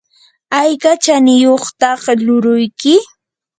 ¿ayka chaniyuqtaq luuruyki?